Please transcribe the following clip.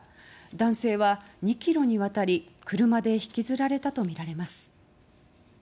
男性は２ｋｍにわたり車で引きずられたとみられます。